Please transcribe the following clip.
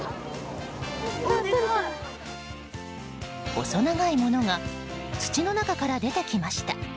細長いものが土の中から出てきました。